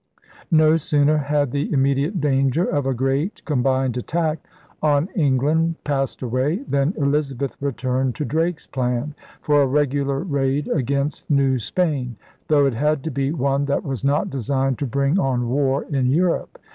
No sooner had the immediate danger of a great combined attack on England passed away than Elizabeth returned to Drake's plan for a regular raid against New Spain, though it had to be one that was not designed to bring on war in Europe.